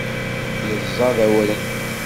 Yeẓẓad awren.